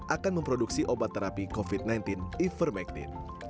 akan memproduksi obat terapi covid sembilan belas ivermectin